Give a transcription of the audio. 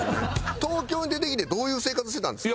東京に出てきてどういう生活してたんですか？